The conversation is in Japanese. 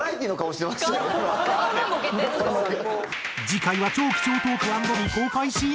次回は超貴重トーク＆未公開シーン。